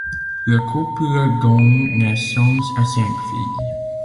Le couple donne naissance à cinq filles.